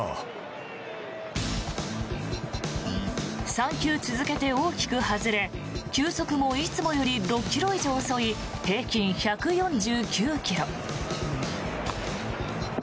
３球続けて大きく外れ球速もいつもより６ｋｍ以上遅い平均１４９ｋｍ。